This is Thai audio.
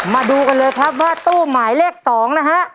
มาดูกันเลยครับว่าตู้หมายเลข๒นะฮะ